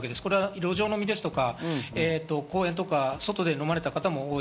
路上飲みですとか、公園とか、外で飲まれた方も多い。